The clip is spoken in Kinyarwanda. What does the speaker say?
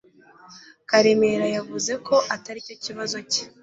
Karemerayavuze ko atari cyo kibazo cye